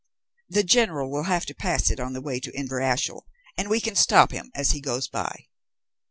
The General will have to pass it on the way to Inverashiel, and we can stop him as he goes by."